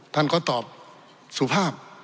ท่านก็ตอบสุภาพ